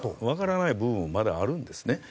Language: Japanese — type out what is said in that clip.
わからない部分もまだあるんですね。